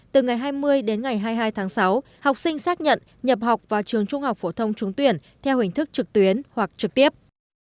từ ngày hai mươi đến ngày hai mươi hai tháng sáu học sinh xác nhận nhập học vào trường trung học phổ thông trung tuyển theo hình thức trực tuyến hoặc trực tiếp